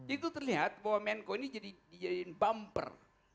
itu terlihat bahwa menko ini jadi bumper